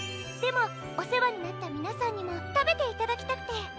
でもおせわになったみなさんにもたべていただきたくて。